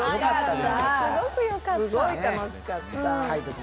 すごくよかった。